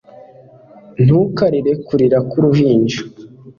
Ntukarire kurira nkuruhinja